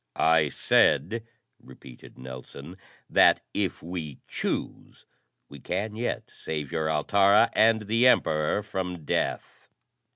"I said," repeated Nelson, "that, if we choose, we can yet save your Altara and the Emperor from death."